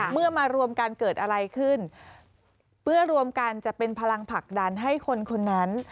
มารวมกันเกิดอะไรขึ้นเพื่อรวมกันจะเป็นพลังผลักดันให้คนคนนั้น